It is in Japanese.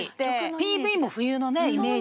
ＰＶも冬のねイメージ。